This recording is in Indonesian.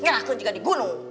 ngerakun juga di gunung